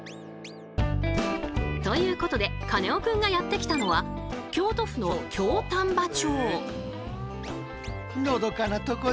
ということでカネオくんがやって来たのは京都府の京丹波町。